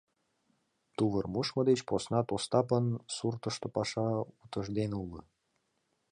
Тувыр мушмо деч поснат Остапын суртышто паша утыждене уло.